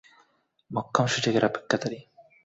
মোক্ষম সুযোগের অপেক্ষাকারী।